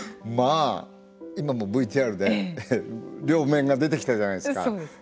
今もＶＴＲで両面が出てきたじゃないですか。